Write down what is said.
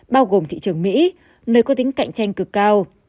bao gồm thị trường mỹ nơi có tính cạnh tranh cực cao